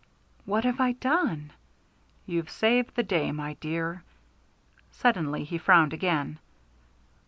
"What have I done?" "You've saved the day, my dear." Suddenly he frowned again.